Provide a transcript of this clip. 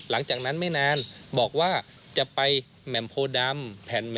หลังจากนั้นไม่นานบอกว่าจะไปแหม่มโพดำ